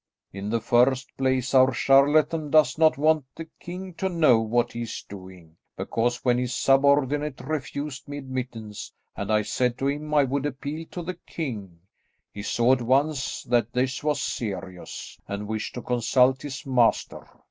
"In the first place our charlatan does not want the king to know what he is doing, because when his subordinate refused me admittance and I said to him I would appeal to the king, he saw at once that this was serious, and wished to consult his master.